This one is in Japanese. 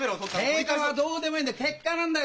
経過はどうでもいいんだ！